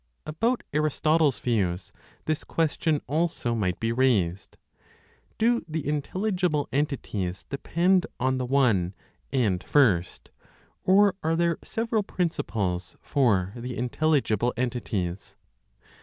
About Aristotle's views this question also might be raised: do the intelligible entities depend on the One and First, or are there several principles for the intelligible entities?